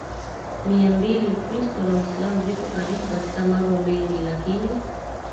Mia mbili Ukristo na Uislamu viko karibu katika mambo mengi lakini